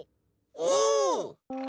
お！